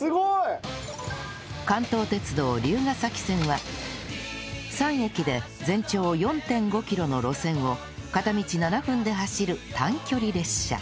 関東鉄道竜ヶ崎線は３駅で全長 ４．５ キロの路線を片道７分で走る短距離列車